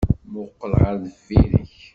Mmuqqel ɣer deffir-k!